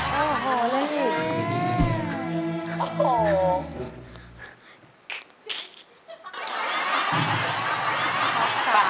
อ๋อแล้วนี่